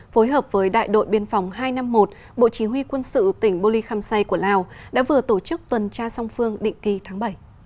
phối hợp với đại đội biên phòng hai trăm năm mươi một bộ chỉ huy quân sự tỉnh bô ly khăm say của lào đã vừa tổ chức tuần tra song phương định kỳ tháng bảy